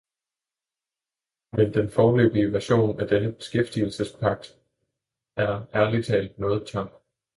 Men den foreløbige version af denne beskæftigelsespagt er ærligt talt noget tam.